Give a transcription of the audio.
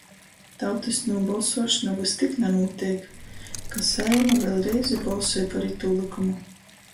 Tautys nūbolsuošona vystik nanūteik, ka Saeima vēļ reizi bolsoj par itū lykumu